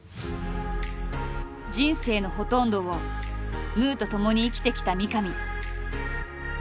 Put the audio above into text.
人生のほとんどを「ムー」とともに生きてきた三上。